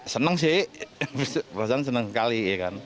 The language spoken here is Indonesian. senang sih senang sekali